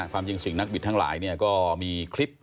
ความจริงสิ่งนักบิดทั้งหลายก็มีคลิป